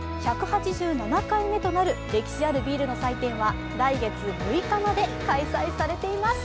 １８７回目となる歴史あるビールの祭典は来月６日まで開催されています。